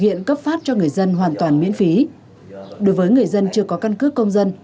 hiện cấp phát cho người dân hoàn toàn miễn phí đối với người dân chưa có căn cước công dân